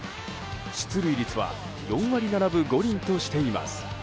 出塁率は４割７分５厘としています。